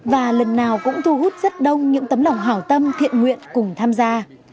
và lần nào cũng thu hút rất đông những tấm lòng hảo tâm thiện nguyện cùng tham gia